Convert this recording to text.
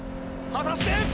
果たして？